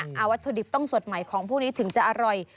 วัตถุดิบต้องสดใหม่ของพวกนี้ถึงจะอร่อย